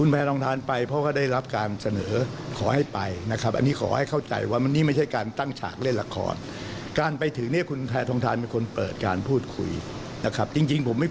เพราะเดิมเราตกลงกันว่าเราจะไม่แถลง